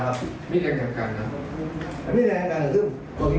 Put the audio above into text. มีแขนกันคือตอนผมหายพระบุคคลลม